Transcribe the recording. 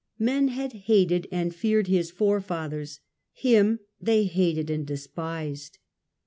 Men had hated and feared his forefathers — him they hated and despised.